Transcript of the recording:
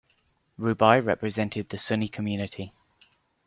Rubai represented the Sunni community.